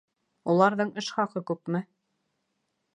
Уларҙың эш хаҡы күпме?